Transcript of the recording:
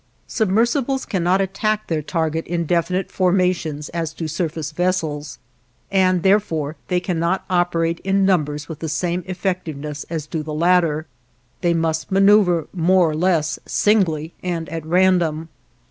Submersibles cannot attack their target in definite formations as do surface vessels, and therefore they cannot operate in numbers with the same effectiveness as do the latter. They must maneuver more or less singly, and at random.